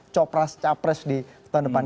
copras capres di tahun depan